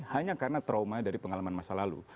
hanya karena trauma dari pengalaman masa lalu